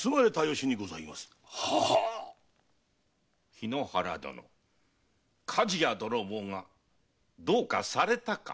日野原殿火事や泥棒がどうかされたか？